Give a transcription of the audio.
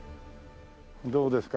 どうですか？